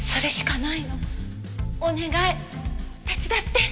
お願い手伝って！